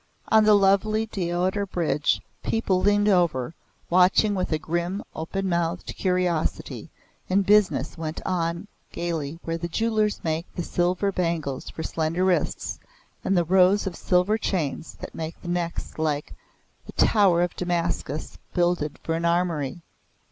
On the lovely deodar bridge people leaned over, watching with a grim open mouthed curiosity, and business went on gaily where the jewelers make the silver bangles for slender wrists, and the rows of silver chains that make the necks like 'the Tower of Damascus builded for an armory.